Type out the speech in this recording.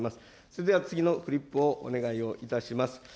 それでは次のフリップをお願いをいたします。